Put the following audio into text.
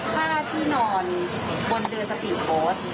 ถ้าคือนอนบนเดือนสปีลโฟส